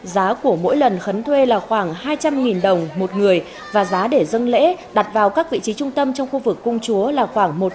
giá của mỗi lần khấn thuê là khoảng hai trăm linh đồng một người và giá để dân lễ đặt vào các vị trí trung tâm trong khu vực cung chúa là khoảng một trăm linh